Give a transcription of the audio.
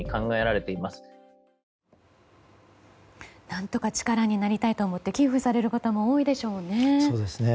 何とか力になりたいと思って寄付される方も多いでしょうね。